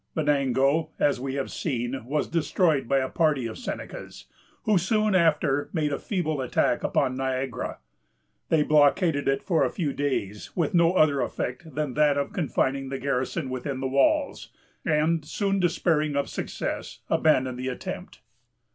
Venango, as we have seen, was destroyed by a party of Senecas, who soon after made a feeble attack upon Niagara. They blockaded it for a few days, with no other effect than that of confining the garrison within the walls, and, soon despairing of success, abandoned the attempt.